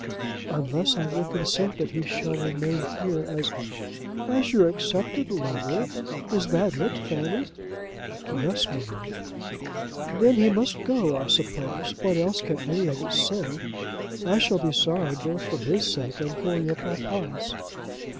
"Unless I will consent that he shall remain here as " "As your accepted lover. Is that it, Fanny?" "Yes, mamma." "Then he must go, I suppose. What else can any of us say? I shall be sorry both for his sake and for your papa's."